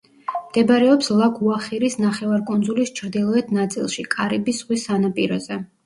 მდებარეობს ლა-გუახირის ნახევარკუნძულის ჩრდილოეთ ნაწილში, კარიბის ზღვის სანაპიროზე.